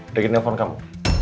hai dek telepon kamu